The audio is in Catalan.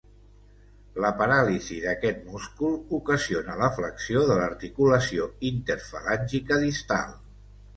La paràlisi d'aquest múscul ocasiona la flexió de l'articulació interfalàngica distal.